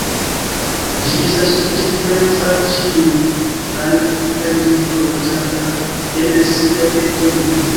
Ĝi estas sufiĉe diferenca al ĉiu ajn perdriko loĝanta ene de sia teritorio.